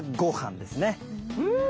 うん！